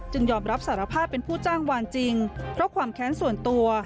ยอมรับสารภาพเป็นผู้จ้างวานจริงเพราะความแค้นส่วนตัว